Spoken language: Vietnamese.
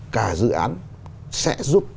cả dự án sẽ giúp